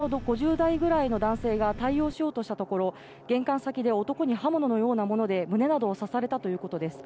インターホンが鳴ったため、住民の５０代ぐらいの男性が対応しようとしたところ、玄関先で男に刃物のようなもので胸などを刺されたということです。